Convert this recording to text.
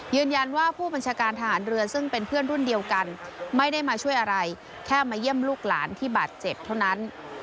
ยืนยันว่าผู้บัญชาการทหารเรือซึ่งเป็นเพื่อนรุ่นเดียวกันไม่ได้มาช่วยอะไรแค่มาเยี่ยมลูกหลานที่บาดเจ็บเท่านั้น